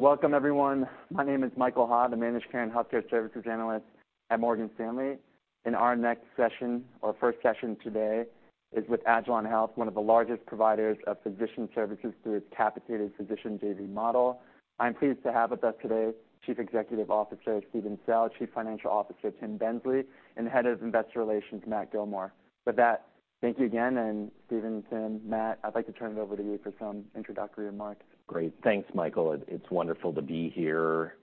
Welcome, everyone. My name is Michael Ha, the Managed Care and Healthcare Services Analyst at Morgan Stanley. Our next session, or first session today, is with agilon health, one of the largest providers of physician services through its capitated physician JV model. I'm pleased to have with us today, Chief Executive Officer, Steven Sell, Chief Financial Officer, Tim Bensley, and Head of Investor Relations, Matt Gillmor. With that, thank you again, and Steven, Tim, Matt, I'd like to turn it over to you for some introductory remarks. Great. Thanks, Michael. It's wonderful to be here.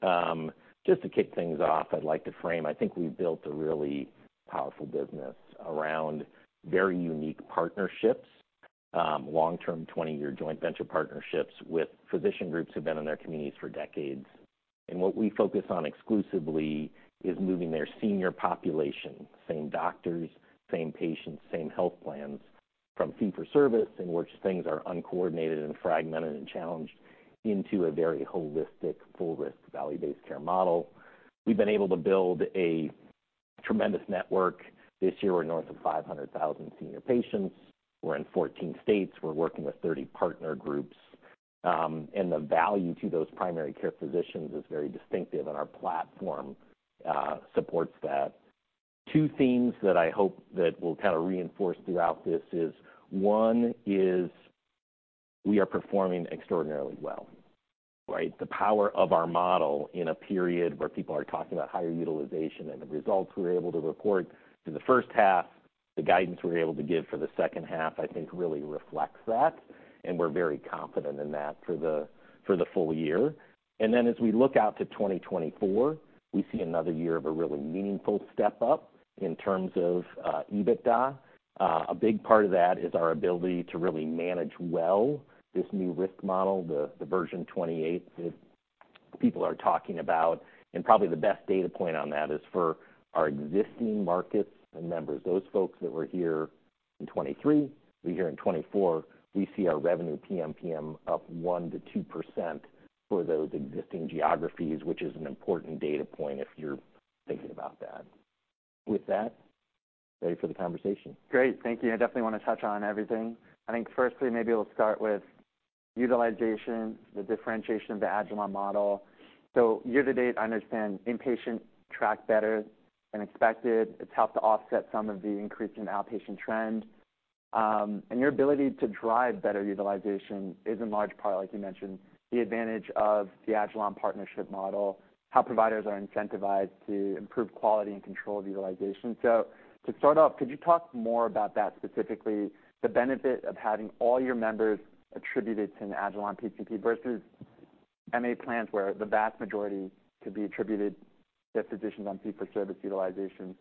Just to kick things off, I'd like to frame. I think we've built a really powerful business around very unique partnerships, long-term, 20-year joint venture partnerships with physician groups who've been in their communities for decades. And what we focus on exclusively is moving their senior population, same doctors, same patients, same health plans, from fee-for-service, in which things are uncoordinated and fragmented and challenged, into a very holistic, full-risk, value-based care model. We've been able to build a tremendous network. This year, we're north of 500,000 senior patients. We're in 14 states. We're working with 30 partner groups. And the value to those primary care physicians is very distinctive, and our platform supports that. Two themes that I hope that we'll kind of reinforce throughout this is, one is, we are performing extraordinarily well, right? The power of our model in a period where people are talking about higher utilization and the results we're able to report to the first half, the guidance we're able to give for the second half, I think, really reflects that, and we're very confident in that for the full year. And then as we look out to 2024, we see another year of a really meaningful step up in terms of, EBITDA. A big part of that is our ability to really manage well this new risk model, the version 28 that people are talking about. Probably the best data point on that is for our existing markets and members, those folks that were here in 2023, will be here in 2024, we see our revenue PMPM up 1%-2% for those existing geographies, which is an important data point if you're thinking about that. With that, ready for the conversation. Great. Thank you. I definitely want to touch on everything. I think firstly, maybe we'll start with utilization, the differentiation of the agilon model. So year to date, I understand inpatient tracked better than expected. It's helped to offset some of the increase in outpatient trend. And your ability to drive better utilization is in large part, like you mentioned, the advantage of the agilon partnership model, how providers are incentivized to improve quality and control utilization. So to start off, could you talk more about that, specifically, the benefit of having all your members attributed to an agilon PCP versus MA plans, where the vast majority could be attributed to physicians on fee-for-service utilization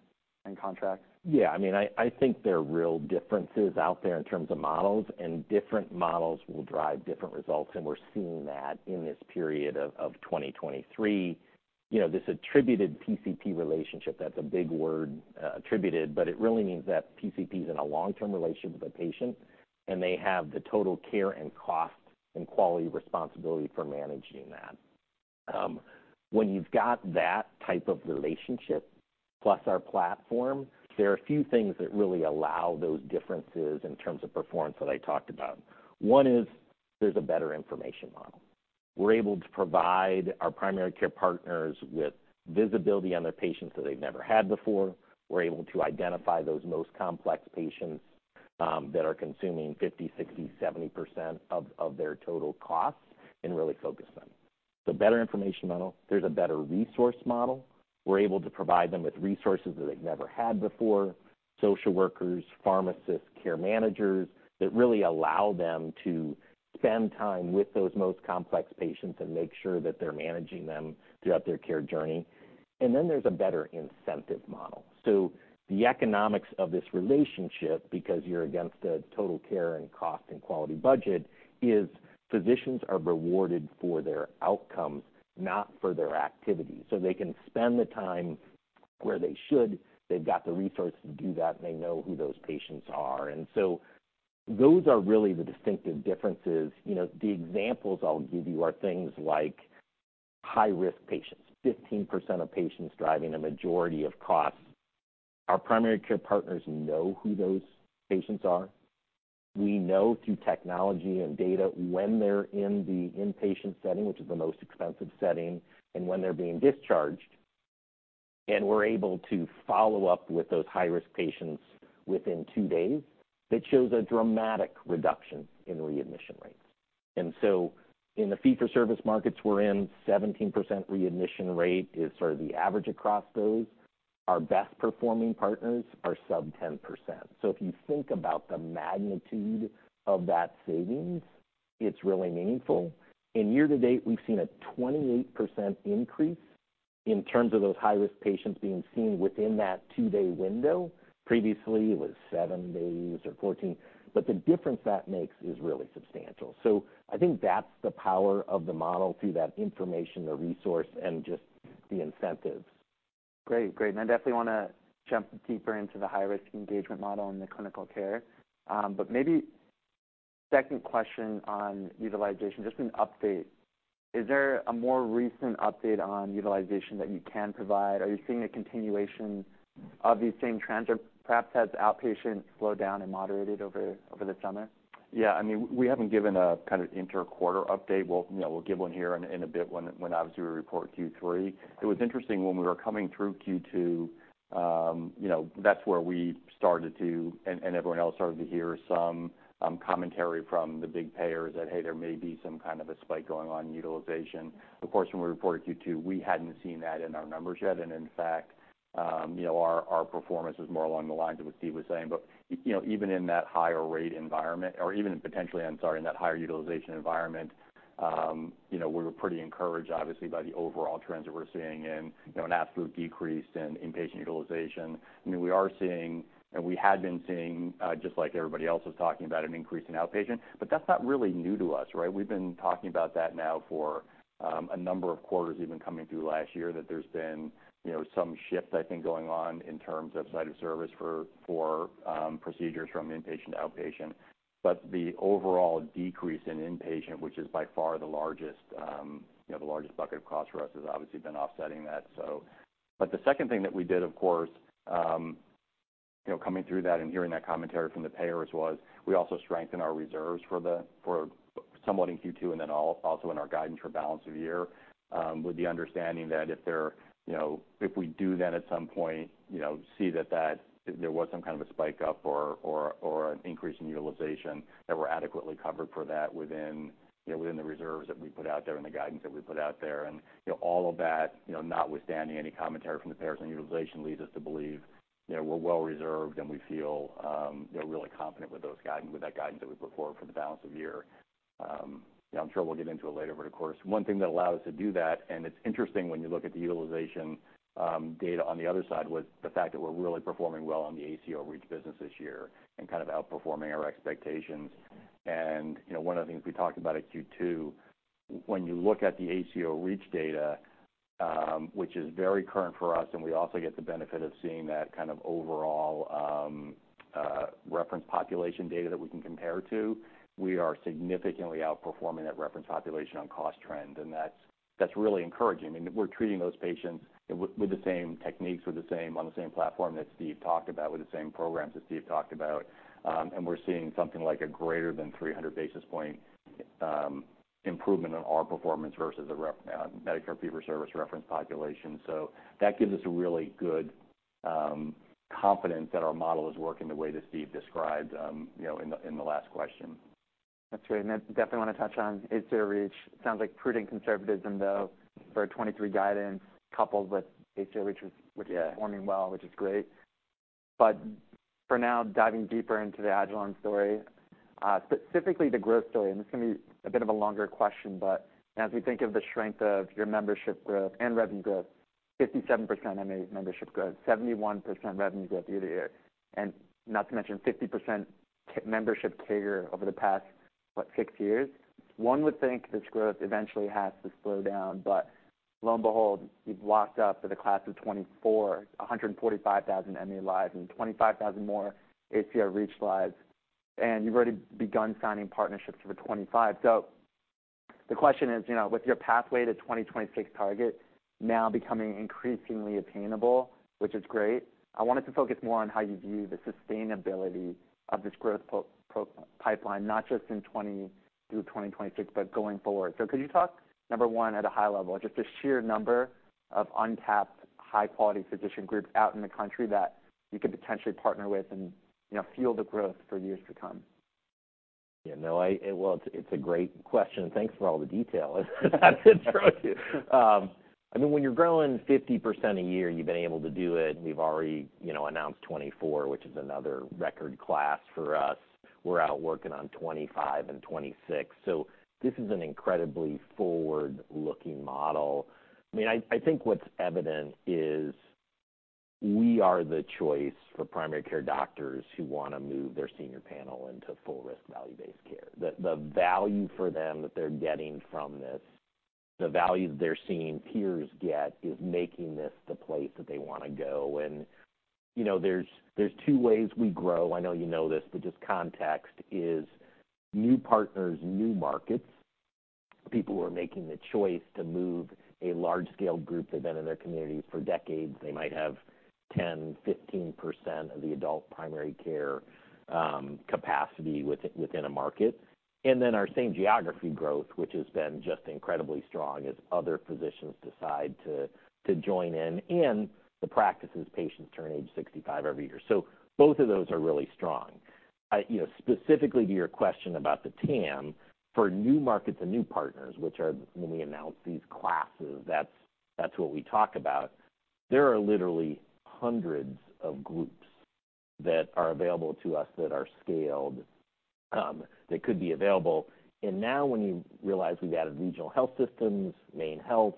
and contracts? Yeah, I mean, I think there are real differences out there in terms of models, and different models will drive different results, and we're seeing that in this period of 2023. You know, this attributed PCP relationship, that's a big word, attributed, but it really means that PCP is in a long-term relationship with a patient, and they have the total care and cost and quality responsibility for managing that. When you've got that type of relationship, plus our platform, there are a few things that really allow those differences in terms of performance that I talked about. One is, there's a better information model. We're able to provide our primary care partners with visibility on their patients that they've never had before. We're able to identify those most complex patients that are consuming 50%, 60%, 70% of their total costs and really focus them. So better information model. There's a better resource model. We're able to provide them with resources that they've never had before: social workers, pharmacists, care managers, that really allow them to spend time with those most complex patients and make sure that they're managing them throughout their care journey. And then there's a better incentive model. So the economics of this relationship, because you're against a total care and cost and quality budget, is physicians are rewarded for their outcomes, not for their activities. So they can spend the time where they should. They've got the resources to do that, and they know who those patients are. And so those are really the distinctive differences. You know, the examples I'll give you are things like high-risk patients, 15% of patients driving a majority of costs. Our primary care partners know who those patients are. We know through technology and data when they're in the inpatient setting, which is the most expensive setting, and when they're being discharged, and we're able to follow up with those high-risk patients within two days, that shows a dramatic reduction in readmission rates. And so in the fee-for-service markets we're in, 17% readmission rate is sort of the average across those. Our best-performing partners are sub 10%. So if you think about the magnitude of that savings, it's really meaningful. In year to date, we've seen a 28% increase in terms of those high-risk patients being seen within that 2-day window. Previously, it was seven days or 14, but the difference that makes is really substantial. I think that's the power of the model through that information, the resource, and just the incentives. Great. Great. And I definitely want to jump deeper into the high-risk engagement model and the clinical care. But maybe second question on utilization, just an update. Is there a more recent update on utilization that you can provide? Are you seeing a continuation of these same trends, or perhaps has outpatient slowed down and moderated over the summer? Yeah, I mean, we haven't given a kind of inter-quarter update. We'll, you know, we'll give one here in a bit when obviously we report Q3. It was interesting when we were coming through Q2, you know, that's where we started to, and everyone else started to hear some commentary from the big payers that, hey, there may be some kind of a spike going on in utilization. Of course, when we reported Q2, we hadn't seen that in our numbers yet. And in fact, you know, our performance was more along the lines of what Steve was saying. But you know, even in that higher rate environment, or even potentially, I'm sorry, in that higher utilization environment, you know, we were pretty encouraged, obviously, by the overall trends that we're seeing and, you know, an absolute decrease in inpatient utilization. I mean, we are seeing, and we had been seeing, just like everybody else was talking about, an increase in outpatient, but that's not really new to us, right? We've been talking about that now for a number of quarters, even coming through last year, that there's been, you know, some shift, I think, going on in terms of site of service for procedures from inpatient to outpatient. But the overall decrease in inpatient, which is by far the largest, you know, the largest bucket of cost for us, has obviously been offsetting that, so. But the second thing that we did, of course, you know, coming through that and hearing that commentary from the payers was, we also strengthened our reserves for somewhat in Q2, and then also in our guidance for balance of the year, with the understanding that if there, you know, if we do then at some point, you know, see that, that there was some kind of a spike up or an increase in utilization, that we're adequately covered for that within, you know, within the reserves that we put out there and the guidance that we put out there. You know, all of that, you know, notwithstanding any commentary from the payers on utilization, leads us to believe, you know, we're well reserved, and we feel, you know, really confident with those guidance, with that guidance that we put forward for the balance of the year. You know, I'm sure we'll get into it later, but of course, one thing that allowed us to do that, and it's interesting when you look at the utilization data on the other side, was the fact that we're really performing well on the ACO REACH business this year and kind of outperforming our expectations. You know, one of the things we talked about at Q2, when you look at the ACO REACH data, which is very current for us, and we also get the benefit of seeing that kind of overall reference population data that we can compare to, we are significantly outperforming that reference population on cost trend, and that's really encouraging. I mean, we're treating those patients with the same techniques, with the same on the same platform that Steve talked about, with the same programs that Steve talked about. And we're seeing something like a greater than 300 basis point improvement in our performance versus the ref Medicare fee-for-service reference population. So that gives us a really good confidence that our model is working the way that Steve described, you know, in the last question. That's great, and then definitely wanna touch on ACO REACH. Sounds like prudent conservatism, though, for 2023 guidance, coupled with ACO REACH, which- Yeah is performing well, which is great. But for now, diving deeper into the agilon story, specifically the growth story, and this is gonna be a bit of a longer question, but as we think of the strength of your membership growth and revenue growth, 57% MA membership growth, 71% revenue growth year-over-year, and not to mention 50% ACO membership CAGR over the past, what, six years? One would think this growth eventually has to slow down, but lo and behold, you've locked up for the class of 2024, 145,000 MA lives and 25,000 more ACO REACH lives, and you've already begun signing partnerships for 2025. The question is, you know, with your pathway to 2026 target now becoming increasingly attainable, which is great, I wanted to focus more on how you view the sustainability of this growth pipeline, not just in 2020 through 2026, but going forward. So could you talk, number one, at a high level, just the sheer number of untapped, high-quality physician groups out in the country that you could potentially partner with and, you know, fuel the growth for years to come? Yeah, no, well, it's a great question. Thanks for all the detail. It's true. I mean, when you're growing 50% a year, and you've been able to do it, we've already, you know, announced 2024, which is another record class for us. We're out working on 2025 and 2026, so this is an incredibly forward-looking model. I mean, I think what's evident is, we are the choice for primary care doctors who wanna move their senior panel into full risk value-based care. The value for them that they're getting from this, the value they're seeing peers get, is making this the place that they wanna go. And, you know, there's 2 ways we grow. I know you know this, but just context is, new partners, new markets. People who are making the choice to move a large-scale group that's been in their community for decades. They might have 10, 15% of the adult primary care capacity within a market. And then our same geography growth, which has been just incredibly strong as other physicians decide to join in, and the practices patients turn age 65 every year. So both of those are really strong. You know, specifically to your question about the TAM, for new markets and new partners, which are, when we announce these classes, that's what we talk about. There are literally hundreds of groups that are available to us that are scaled, that could be available. And now, when you realize we've added regional health systems, MaineHealth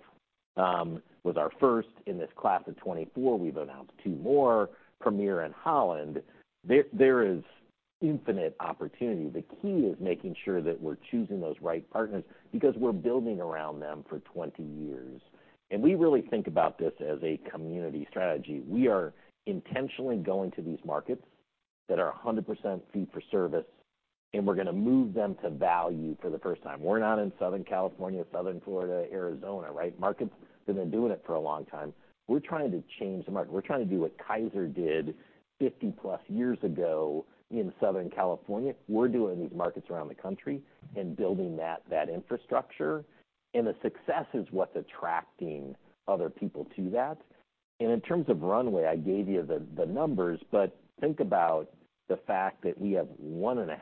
was our first in this class of 2024. We've announced two more, Premier and Holland. There, there is infinite opportunity. The key is making sure that we're choosing those right partners because we're building around them for 20 years. And we really think about this as a community strategy. We are intentionally going to these markets that are 100% fee-for-service-and we're gonna move them to value for the first time. We're not in Southern California, Southern Florida, Arizona, right? Market's been doing it for a long time. We're trying to change the market. We're trying to do what Kaiser did 50+ years ago in Southern California. We're doing these markets around the country and building that, that infrastructure, and the success is what's attracting other people to that. And in terms of runway, I gave you the, the numbers, but think about the fact that we have 1.5%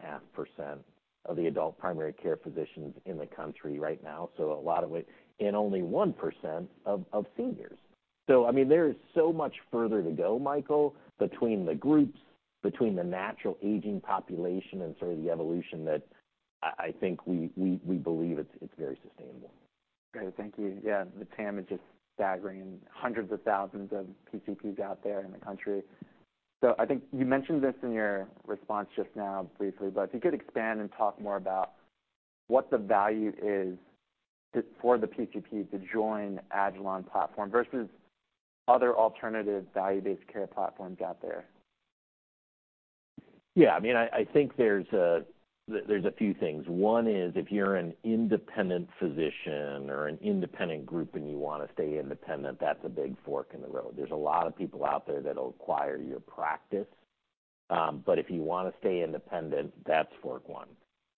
of the adult primary care physicians in the country right now, so a lot of it, and only 1% of, of seniors. So I mean, there is so much further to go, Michael, between the groups, between the natural aging population and sort of the evolution that I think we believe it's very sustainable. Great, thank you. Yeah, the TAM is just staggering. Hundreds of thousands of PCPs out there in the country. So I think you mentioned this in your response just now briefly, but if you could expand and talk more about what the value is to, for the PCP to join agilon platform versus other alternative value-based care platforms out there. Yeah. I mean, I think there's a few things. One is, if you're an independent physician or an independent group and you wanna stay independent, that's a big fork in the road. There's a lot of people out there that'll acquire your practice, but if you wanna stay independent, that's fork one.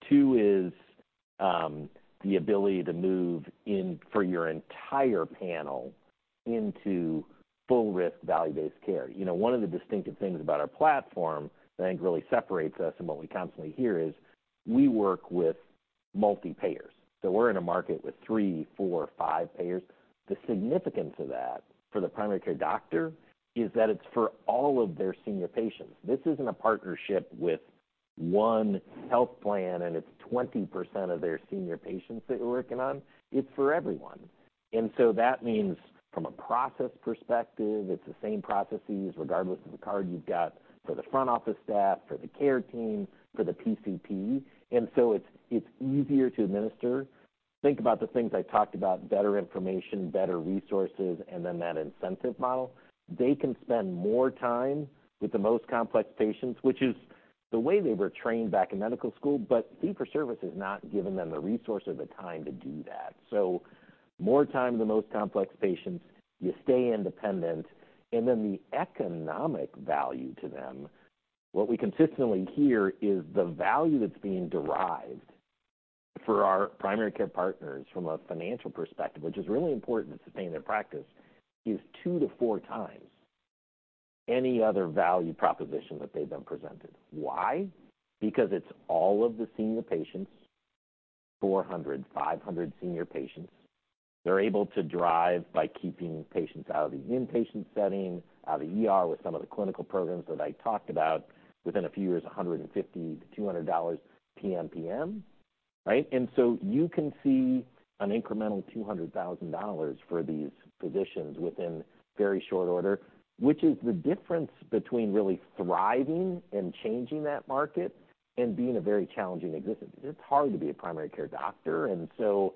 Two is, the ability to move in for your entire panel into full risk value-based care. You know, one of the distinctive things about our platform that I think really separates us and what we constantly hear is, we work with multi payers. So we're in a market with three, four, five payers. The significance of that for the primary care doctor is that it's for all of their senior patients. This isn't a partnership with one health plan, and it's 20% of their senior patients that you're working on. It's for everyone. So that means from a process perspective, it's the same processes, regardless of the card you've got for the front office staff, for the care team, for the PCP, and so it's easier to administer. Think about the things I talked about, better information, better resources, and then that incentive model. They can spend more time with the most complex patients, which is the way they were trained back in medical school, but fee-for-service has not given them the resource or the time to do that. So more time, the most complex patients, you stay independent, and then the economic value to them. What we consistently hear is the value that's being derived for our primary care partners from a financial perspective, which is really important to sustain their practice, is two to four times any other value proposition that they've been presented. Why? Because it's all of the senior patients, 400, 500 senior patients. They're able to drive by keeping patients out of the inpatient setting, out of the ER, with some of the clinical programs that I talked about, within a few years, $150-$200 PMPM, right? And so you can see an incremental $200,000 for these physicians within very short order, which is the difference between really thriving and changing that market and being a very challenging existence. It's hard to be a primary care doctor, and so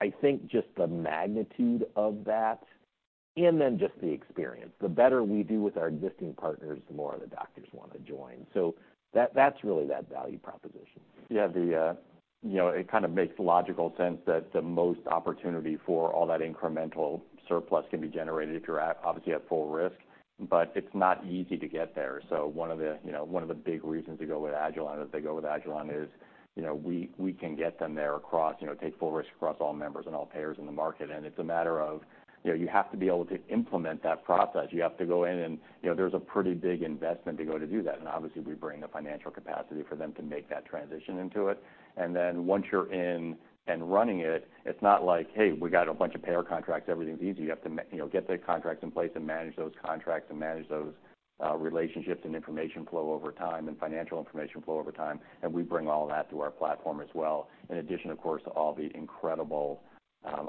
I think just the magnitude of that and then just the experience. The better we do with our existing partners, the more the doctors wanna join. So that's really that value proposition. Yeah, you know, it kind of makes logical sense that the most opportunity for all that incremental surplus can be generated if you're at, obviously, at full risk, but it's not easy to get there. So one of the, you know, one of the big reasons to go with agilon, that they go with agilon is, you know, we, we can get them there across, you know, take full risk across all members and all payers in the market. And it's a matter of, you know, you have to be able to implement that process. You have to go in and, you know, there's a pretty big investment to go to do that, and obviously, we bring the financial capacity for them to make that transition into it. And then once you're in and running it, it's not like, "Hey, we got a bunch of payer contracts, everything's easy." You have to you know, get the contracts in place and manage those contracts, and manage those, relationships and information flow over time, and financial information flow over time, and we bring all that to our platform as well, in addition, of course, to all the incredible,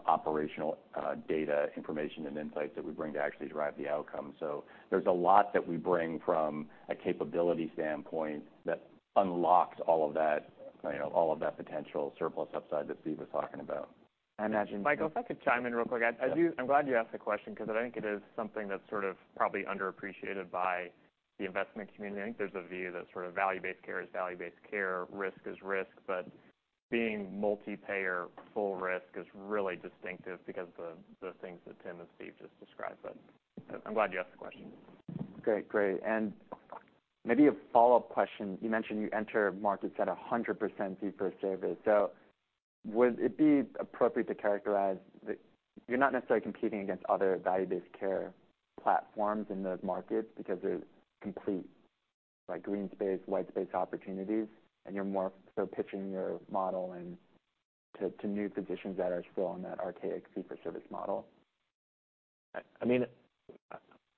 operational, data, information, and insights that we bring to actually drive the outcome. So there's a lot that we bring from a capability standpoint that unlocks all of that, you know, all of that potential surplus upside that Steve was talking about. I imagine- Michael, if I could chime in real quick. Yeah. I'm glad you asked the question, 'cause I think it is something that's sort of probably underappreciated by the investment community. I think there's a view that sort of value-based care is value-based care, risk is risk, but being multi-payer full risk is really distinctive because of the, the things that Tim and Steve just described. But I'm glad you asked the question. Great. Great. Maybe a follow-up question. You mentioned you enter markets at 100% fee-for-service. So would it be appropriate to characterize that you're not necessarily competing against other value-based care platforms in those markets because they're complete, like, green space, white space opportunities, and you're more so pitching your model and to new physicians that are still on that archaic fee-for-service model? I mean,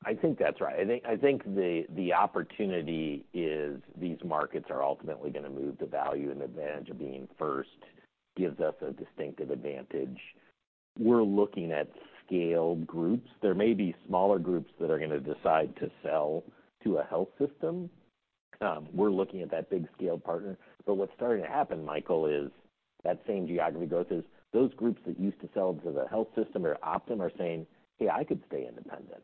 I think that's right. I think the opportunity is these markets are ultimately gonna move to value, and the advantage of being first gives us a distinctive advantage. We're looking at scaled groups. There may be smaller groups that are gonna decide to sell to a health system. We're looking at that big scale partner. But what's starting to happen, Michael, is that same geography growth is those groups that used to sell to the health system or Optum are saying: "Hey, I could stay independent."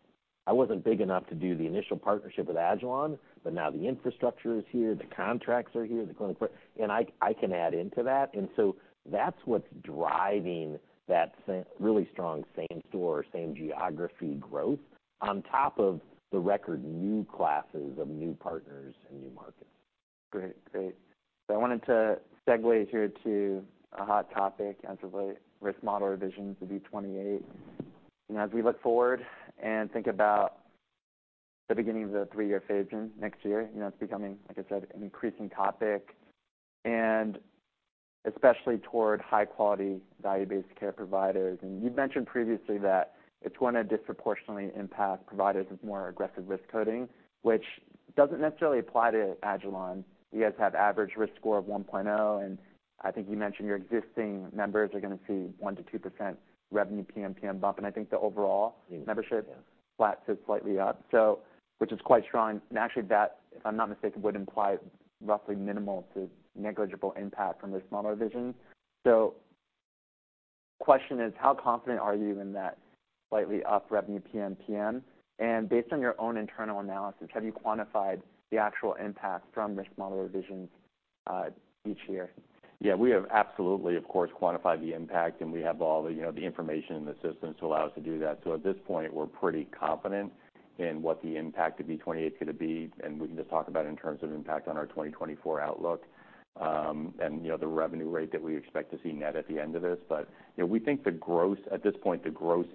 I wasn't big enough to do the initial partnership with agilon, but now the infrastructure is here, the contracts are here, the clinical and I can add into that. And so that's what's driving that really strong same store or same geography growth, on top of the record new classes of new partners and new markets. Great. Great. So I wanted to segue here to a hot topic as of late, risk model revisions to V28. And as we look forward and think about the beginning of the three-year phase next year, you know, it's becoming, like I said, an increasing topic, and especially toward high-quality, value-based care providers. And you've mentioned previously that it's gonna disproportionately impact providers with more aggressive risk coding, which doesn't necessarily apply to agilon. You guys have average risk score of 1.0, and I think you mentioned your existing members are gonna see 1%-2% revenue PMPM bump, and I think the overall membership- Yeah flat to slightly up. So, which is quite strong, and actually, that, if I'm not mistaken, would imply roughly minimal to negligible impact from this model revision. So question is, how confident are you in that slightly up revenue PMPM? And based on your own internal analysis, have you quantified the actual impact from risk model revisions each year? Yeah, we have absolutely, of course, quantified the impact, and we have all the, you know, the information and the systems to allow us to do that. So at this point, we're pretty confident in what the impact of V28 gonna be, and we can just talk about it in terms of impact on our 2024 outlook. And, you know, the revenue rate that we expect to see net at the end of this. But, you know, we think the gross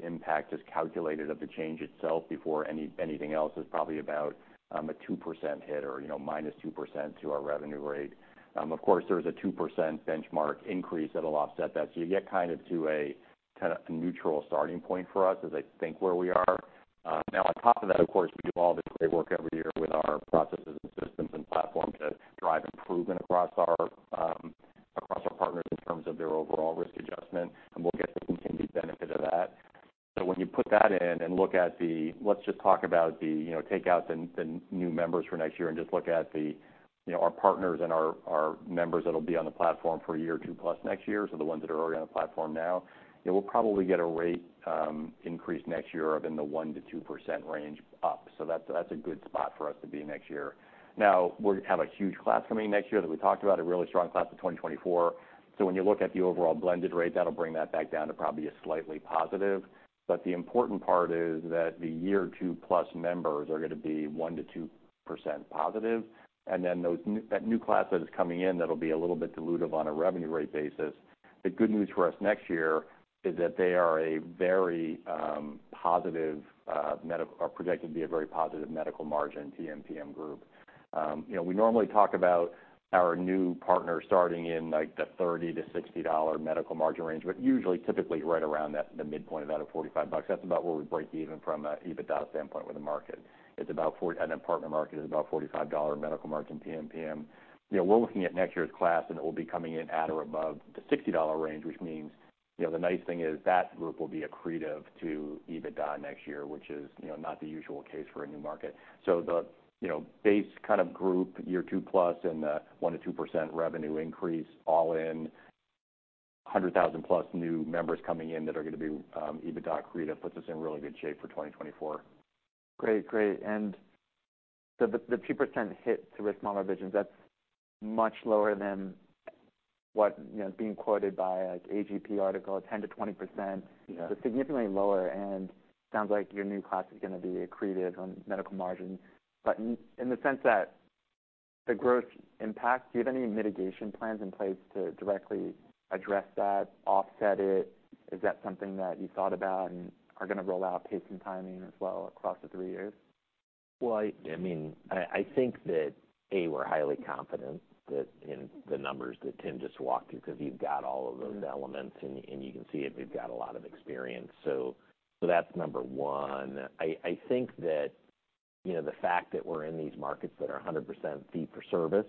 impact is calculated of the change itself before anything else, is probably about a 2% hit or, you know, minus 2% to our revenue rate. Of course, there's a 2% benchmark increase that'll offset that. So you get kind of to a kind of a neutral starting point for us, as I think where we are. Now, on top of that, of course, we do all this great work every year with our processes and systems and platforms that drive improvement across our, across our partners in terms of their overall risk adjustment, and we'll get the continued benefit of that. So when you put that in and look at the... Let's just talk about the, you know, take out the, the new members for next year and just look at the, you know, our partners and our, our members that'll be on the platform for a year or two plus next year, so the ones that are already on the platform now. Yeah, we'll probably get a rate, increase next year of in the 1%-2% range up. So that's, that's a good spot for us to be next year. Now, we're gonna have a huge class coming next year that we talked about, a really strong class of 2024. So when you look at the overall blended rate, that'll bring that back down to probably a slightly positive. But the important part is that the year two-plus members are gonna be 1%-2% positive, and then those new that new class that is coming in, that'll be a little bit dilutive on a revenue rate basis. The good news for us next year is that they are a very positive or projected to be a very positive medical margin PMPM group. You know, we normally talk about our new partners starting in, like, the $30-$60 medical margin range, but usually, typically, right around that, the midpoint of about $45. That's about where we break even from a EBITDA standpoint with the market. It's about $4 and then partner market is about $45 medical margin PMPM. You know, we're looking at next year's class, and it will be coming in at or above the $60 range, which means, you know, the nice thing is that group will be accretive to EBITDA next year, which is, you know, not the usual case for a new market. So the, you know, base kind of group, year two plus and the 1%-2% revenue increase all in 100,000+ new members coming in that are gonna be, EBITDA accretive, puts us in really good shape for 2024. Great. Great. And so the 2% hit to risk model revisions, that's much lower than what, you know, being quoted by, like, AGP article, 10%-20%. Yeah. So significantly lower and sounds like your new class is gonna be accretive on medical margins. But in the sense that the growth impact, do you have any mitigation plans in place to directly address that, offset it? Is that something that you thought about and are gonna roll out pace and timing as well across the three years? Well, I mean, I think that, a, we're highly confident that in the numbers that Tim just walked through, because you've got all of those elements, and you can see it, we've got a lot of experience. So that's number one. I think that, you know, the fact that we're in these markets that are 100% fee-for-service,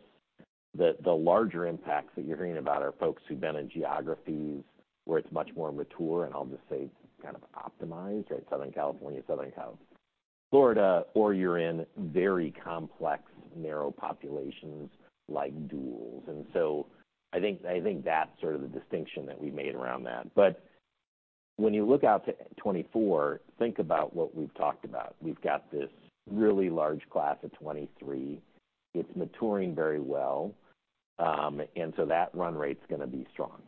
that the larger impacts that you're hearing about are folks who've been in geographies where it's much more mature, and I'll just say, kind of optimized, right? Southern California, Florida, or you're in very complex, narrow populations like duals. And so I think that's sort of the distinction that we made around that. But when you look out to 2024, think about what we've talked about. We've got this really large class of 2023. It's maturing very well, and so that run rate's gonna be strong.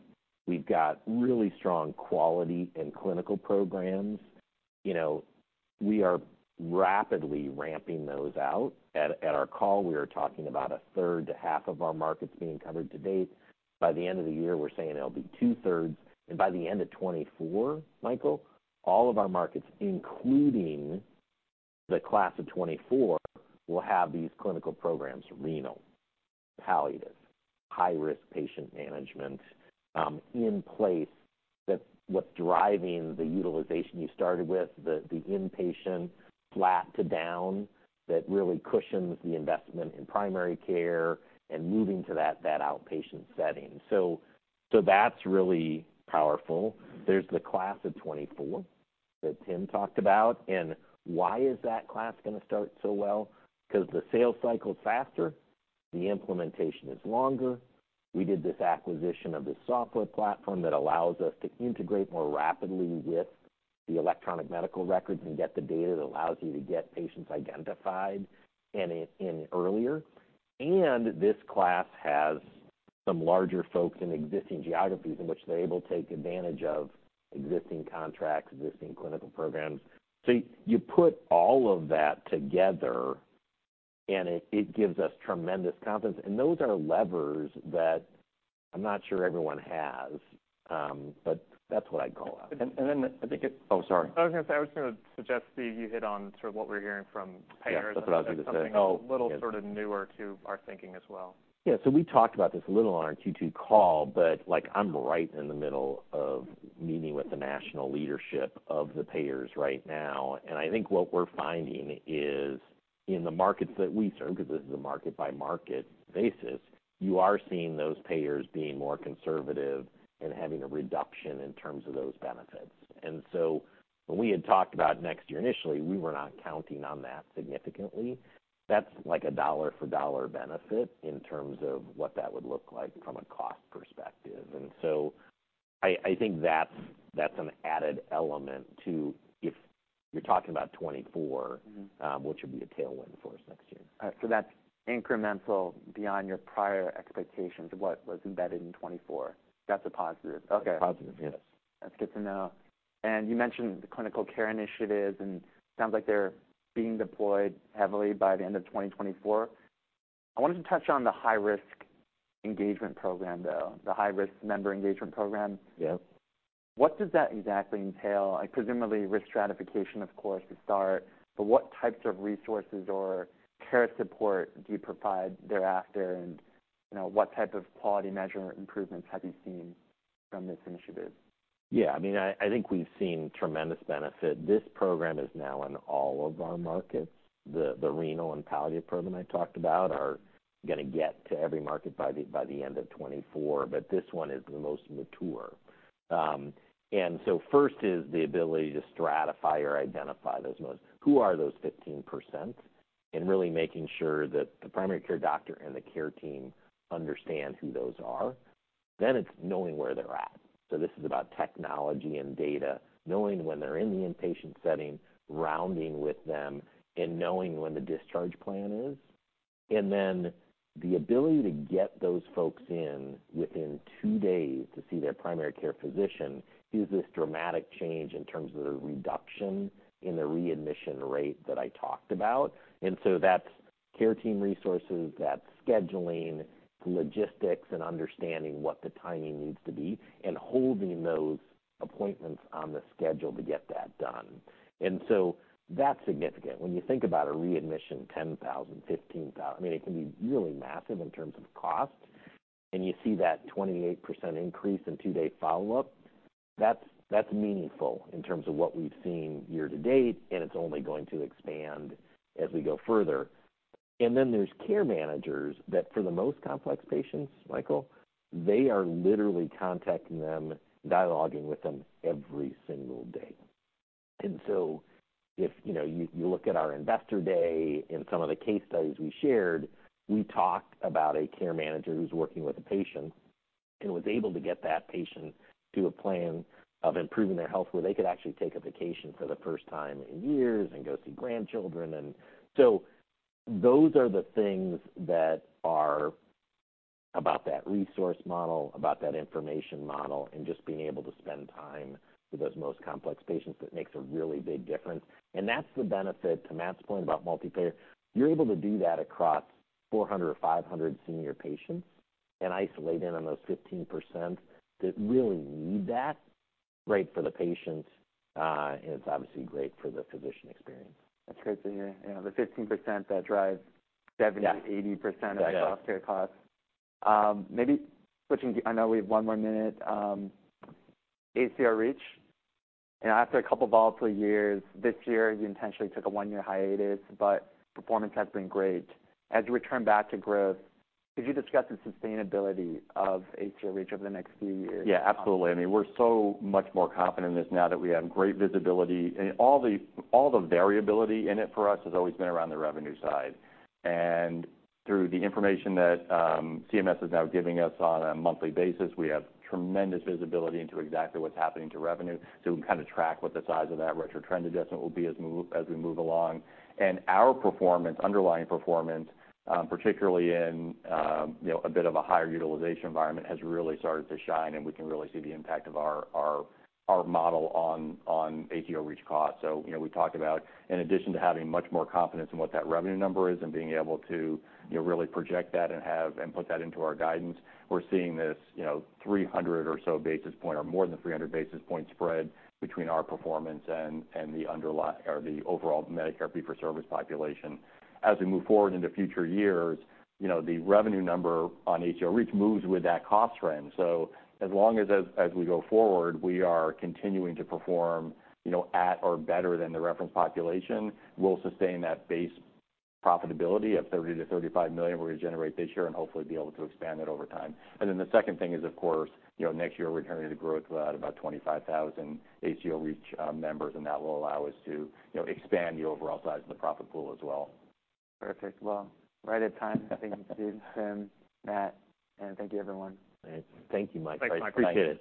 We've got really strong quality and clinical programs. You know, we are rapidly ramping those out. At our call, we were talking about a third to half of our markets being covered to date. By the end of the year, we're saying it'll be two-thirds, and by the end of 2024, Michael, all of our markets, including the class of 2024, will have these clinical programs, renal, palliative, high-risk patient management, in place. That what's driving the utilization you started with, the inpatient flat to down, that really cushions the investment in primary care and moving to that outpatient setting. So that's really powerful. There's the class of 2024 that Tim talked about, and why is that class gonna start so well? 'Cause the sales cycle is faster. The implementation is longer. We did this acquisition of the software platform that allows us to integrate more rapidly with the electronic medical records and get the data that allows you to get patients identified and in earlier. And this class has some larger folks in existing geographies in which they're able to take advantage of existing contracts, existing clinical programs. So you put all of that together, and it gives us tremendous confidence, and those are levers that I'm not sure everyone has, but that's what I'd call out. And then I think it. Oh, sorry. I was gonna say, I was gonna suggest, Steve, you hit on sort of what we're hearing from payers- Yeah, that's what I was gonna say. Something a little sort of newer to our thinking as well. Yeah. So we talked about this a little on our Q2 call, but, like, I'm right in the middle of meeting with the national leadership of the payers right now. And I think what we're finding is in the markets that we serve, because this is a market-by-market basis, you are seeing those payers being more conservative and having a reduction in terms of those benefits. And so when we had talked about next year, initially, we were not counting on that significantly. That's like a dollar-for-dollar benefit in terms of what that would look like from a cost perspective. And so I, I think that's, that's an added element to if you're talking about 2024 which would be a tailwind for us next year. That's incremental beyond your prior expectations of what was embedded in 2024. That's a positive. Okay. That's a positive, yes. That's good to know. You mentioned the clinical care initiatives, and it sounds like they're being deployed heavily by the end of 2024. I wanted to touch on the high-risk engagement program, though, the high-risk member engagement program. Yes. What does that exactly entail? Presumably, risk stratification, of course, to start, but what types of resources or care support do you provide thereafter? And, you know, what type of quality measurement improvements have you seen from this initiative? Yeah, I mean, I think we've seen tremendous benefit. This program is now in all of our markets. The renal and palliative program I talked about are gonna get to every market by the end of 2024, but this one is the most mature. And so first is the ability to stratify or identify those most. Who are those 15%? And really making sure that the primary care doctor and the care team understand who those are. Then it's knowing where they're at. So this is about technology and data, knowing when they're in the inpatient setting, rounding with them, and knowing when the discharge plan is. And then the ability to get those folks in within two days to see their primary care physician is this dramatic change in terms of the reduction in the readmission rate that I talked about. That's care team resources, that's scheduling, logistics, and understanding what the timing needs to be and holding those appointments on the schedule to get that done. That's significant. When you think about a readmission, $10,000, $15,000, I mean, it can be really massive in terms of cost, and you see that 28% increase in two-day follow-up, that's, that's meaningful in terms of what we've seen year to date, and it's only going to expand as we go further. There's care managers that for the most complex patients, Michael, they are literally contacting them, dialoguing with them every single day. And so if, you know, you look at our Investor Day and some of the case studies we shared, we talked about a care manager who's working with a patient and was able to get that patient to a plan of improving their health, where they could actually take a vacation for the first time in years and go see grandchildren. And so those are the things that are about that resource model, about that information model, and just being able to spend time with those most complex patients, that makes a really big difference. And that's the benefit, to Matt's point about multi-payer. You're able to do that across 400 or 500 senior patients and isolate in on those 15% that really need that. Great for the patients, and it's obviously great for the physician experience. That's great to hear. You know, the 15% that drive- Yeah 70, 80% of the healthcare costs. Maybe switching. I know we have one more minute. ACO REACH. You know, after a couple of volatile years, this year, you intentionally took a one-year hiatus, but performance has been great. As you return back to growth, could you discuss the sustainability of ACO REACH over the next few years? Yeah, absolutely. I mean, we're so much more confident in this now that we have great visibility. And all the variability in it for us has always been around the revenue side. And through the information that CMS is now giving us on a monthly basis, we have tremendous visibility into exactly what's happening to revenue. So we can kinda track what the size of that retro trend adjustment will be as we move along. And our performance, underlying performance, particularly in you know a bit of a higher utilization environment, has really started to shine, and we can really see the impact of our model on ACO REACH cost. So, you know, we talked about in addition to having much more confidence in what that revenue number is and being able to, you know, really project that and have-- and put that into our guidance, we're seeing this, you know, 300 or so basis points or more than 300 basis points spread between our performance and the underlying or the overall Medicare fee-for-service population. As we move forward into future years, you know, the revenue number on ACO REACH moves with that cost trend. So as long as, as we go forward, we are continuing to perform, you know, at or better than the reference population, we'll sustain that base profitability of $30 million-$35 million we're gonna generate this year and hopefully be able to expand that over time. And then the second thing is, of course, you know, next year we're returning to growth at about 25,000 ACO REACH members, and that will allow us to, you know, expand the overall size of the profit pool as well. Perfect. Well, right on time. Thank you, Steve, Tim, Matt, and thank you, everyone. Thank you, Mike. Thanks, Mike. Appreciate it.